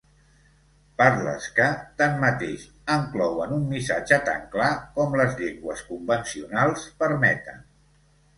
Parles que, tanmateix, enclouen un missatge tan clar com les llengües convencionals permeten.